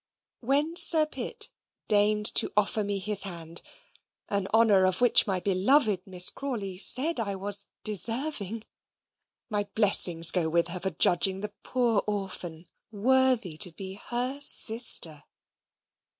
When Sir Pitt deigned to offer me his hand, an honour of which my beloved Miss Crawley said I was DESERVING (my blessings go with her for judging the poor orphan worthy to be HER SISTER!)